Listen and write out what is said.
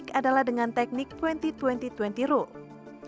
teknik adalah dengan teknik dua puluh dua puluh dua puluh rule